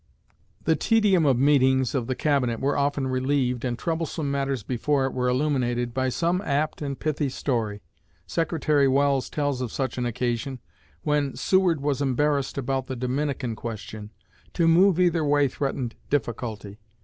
The tedium of meetings of the Cabinet was often relieved, and troublesome matters before it were illuminated, by some apt and pithy story. Secretary Welles tells of such an occasion when "Seward was embarrassed about the Dominican question. To move either way threatened difficulty.